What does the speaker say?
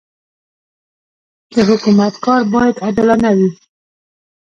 د حکومت کار باید عادلانه وي.